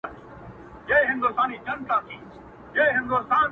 څوک چي چړیانو ملایانو ته جامې ورکوي -